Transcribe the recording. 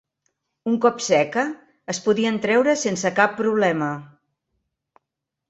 Un cop seca es podien treure sense cap problema.